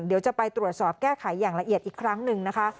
เดี๋ยวจะไปตรวจสอบแก้ไขอย่างละเอียดอีกครั้งหนึ่งนะคะ